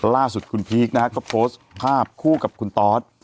ล่าสุดคุณพีคนะฮะก็โพสต์ภาพคู่กับคุณตอส